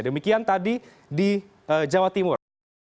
demikian tadi di jawa timur